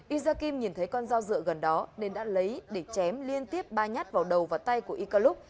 isa kim nhìn thấy con dao dựa gần đó nên đã lấy để chém liên tiếp ba nhát vào đầu và tay của ikaluk